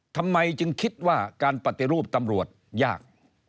ทำไมจึงคิดว่าการปฏิรูปตำรวจยาก